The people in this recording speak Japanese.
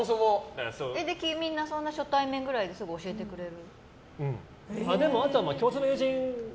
みんな初対面ぐらいですぐに教えてくれる？